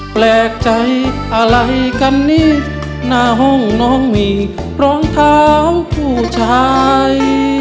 แปลกใจอะไรกันนี่หน้าห้องน้องมีรองเท้าผู้ชาย